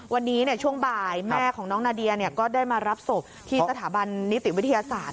วันนี้ช่วงบ่ายแม่ของน้องนาเดียก็ได้มารับศพที่สถาบันนิติวิทยาศาสตร์